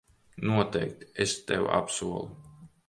Noteikti, es tev apsolu.